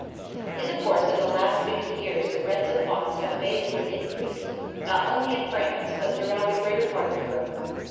In the course of the last fifty years the rents of farms have amazingly increased, not only in France but throughout the greater part of Europe.